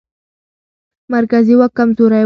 مرکزي واک کمزوری و.